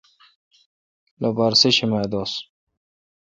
لوپارہ سیشمہ دوس